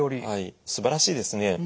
はいすばらしいですね。